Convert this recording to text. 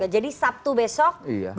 jadi sabtu besok